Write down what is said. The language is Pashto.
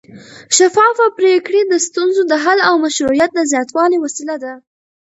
شفافه پرېکړې د ستونزو د حل او مشروعیت د زیاتوالي وسیله دي